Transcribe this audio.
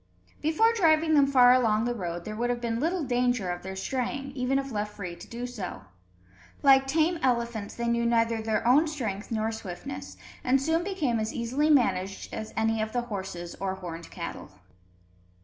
Before driving them far along the road, there would have been little danger of their straying, even if left free to do so. Like tame elephants, they knew neither their own strength nor swiftness, and soon became as easily managed as any of the horses or horned cattle.